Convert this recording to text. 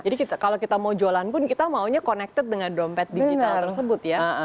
jadi kalau kita mau jualan pun kita maunya connected dengan dompet digital